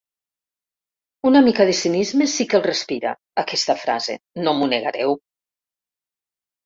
Una mica de cinisme sí que el respira, aquesta frase, no m’ho negareu.